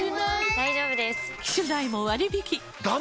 大丈夫です！